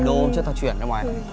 năm đô chưa tao chuyển cho mày